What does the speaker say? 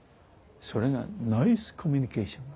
それがナイスコミュニケーション。